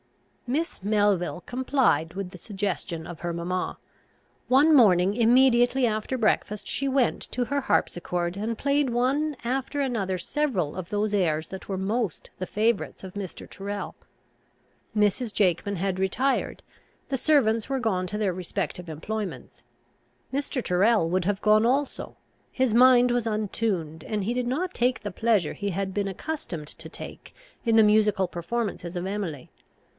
Miss Melville complied with the suggestion of her mamma. One morning immediately after breakfast, she went to her harpsichord, and played one after another several of those airs that were most the favourites of Mr. Tyrrel. Mrs. Jakeman had retired; the servants were gone to their respective employments. Mr. Tyrrel would have gone also; his mind was untuned, and he did not take the pleasure he had been accustomed to take in the musical performances of Emily.